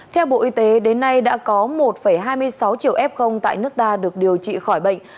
theo bộ y tế đến nay đã có một hai mươi sáu triệu f tại nước ta được điều trị khỏi bệnh